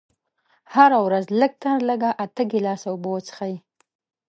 هره ورځ لږ تر لږه اته ګيلاسه اوبه وڅښئ.